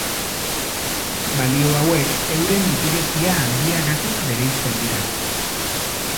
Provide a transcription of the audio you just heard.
Balio hauek euren likidezia handiagatik bereizten dira.